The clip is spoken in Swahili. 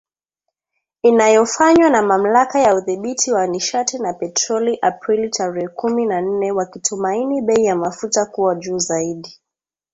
Inayofanywa na Mamlaka ya Udhibiti wa Nishati na Petroli Aprili tarehe kumi na nne wakitumaini bei ya mafuta kuwa juu zaidi.